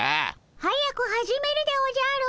早く始めるでおじゃる。